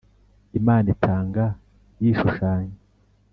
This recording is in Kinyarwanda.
imana itanga yishushanya.